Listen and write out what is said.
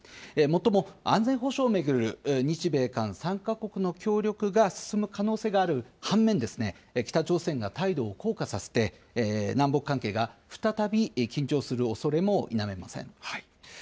もっとも、安全保障を巡る日米韓３か国の協力が進む可能性がある半面ですね、北朝鮮が態度を硬化させて、南北関係が再び緊張する恐れも否めません。